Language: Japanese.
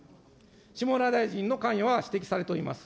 下村大臣の関与が指摘されております。